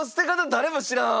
誰も知らん！